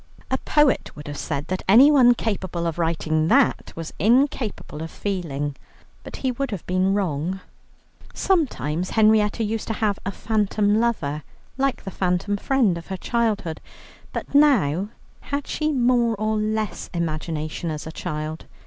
A poet would have said that anyone capable of writing that was incapable of feeling, but he would have been wrong. Sometimes Henrietta used to have a phantom lover like the phantom friend of her childhood, but now had she more or less imagination as a child?